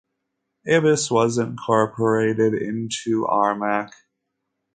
Ibis was incorporated into Aramac.